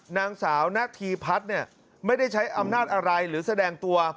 นางสาวนาธีพัฒน์เนี่ยไม่ได้ใช้อำนาจอะไรหรือแสดงตัว